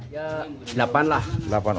ya delapan lah